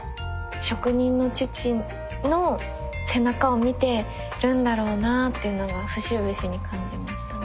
職人の父の背中を見てるんだろうなっていうのが節々に感じましたね。